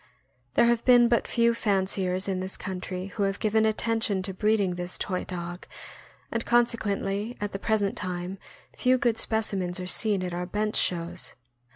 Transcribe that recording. There have been but few fanciers in this country who have given attention to breeding this toy dog, and conse quently at the present time few good specimens are seen at our bench shows.